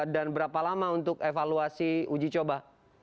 dan berapa lama untuk evaluasi uji coba